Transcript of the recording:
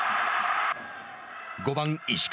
５番石川